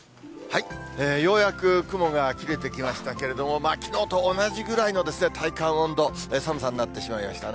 ようやく雲が切れてきましたけれども、きのうと同じくらいの体感温度、寒さになってしまいましたね。